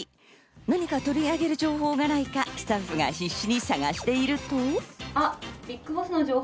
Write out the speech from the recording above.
何か取り上げる情報がないかスタッフが必死に探していると。